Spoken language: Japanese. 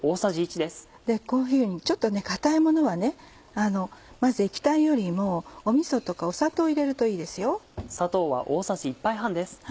こういうふうにちょっと硬いものはまず液体よりもみそとか砂糖を入れるといいですよ。